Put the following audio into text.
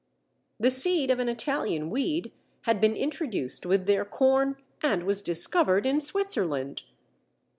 The seed of an Italian weed had been introduced with their corn, and was discovered in Switzerland!